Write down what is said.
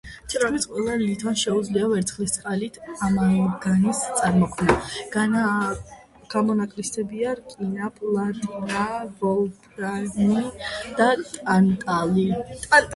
თითქმის ყველა ლითონს შეუძლია ვერცხლისწყალთან ამალგამის წარმოქმნა, გამონაკლისებია რკინა, პლატინა, ვოლფრამი და ტანტალი.